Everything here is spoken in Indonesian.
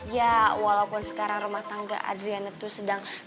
ya walaupun sekarang rumah tangga adriana tuh sedang halus